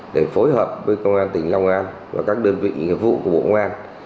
để phối hợp với công an tỉnh long an và các đơn vị nhiệm vụ của bộ công an